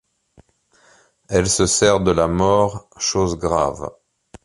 Elle se sert de la mort, chose grave.